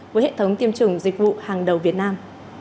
với hệ thống tiêm chủng dịch vụ hàng đầu việt nam